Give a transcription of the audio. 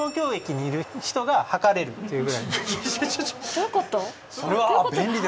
どういうこと？